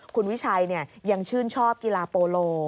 คุณวิชัยยังชื่นชอบกีฬาโปโล